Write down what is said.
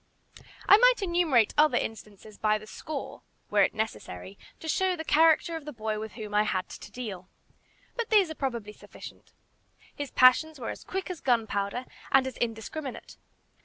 I might enumerate other instances by the score, were it necessary, to show the character of the boy with whom I had to deal. But these are probably sufficient. His passions were as quick as gunpowder, and as indiscriminate.